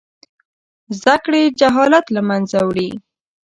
زده کړې جهالت له منځه وړي.